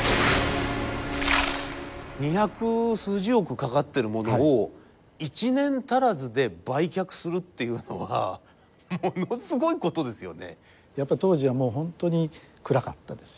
二百数十億かかってるものを１年足らずで売却するっていうのはものすごいことですよね。